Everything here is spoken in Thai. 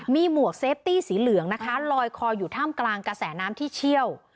มีหมวกเซฟตี้สีเหลืองนะคะลอยคออยู่ท่ามกลางกระแสน้ำที่เชี่ยว